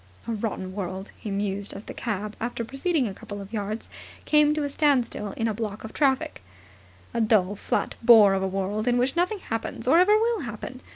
"A rotten world," he mused, as the cab, after proceeding a couple of yards, came to a standstill in a block of the traffic. "A dull, flat bore of a world, in which nothing happens or ever will happen.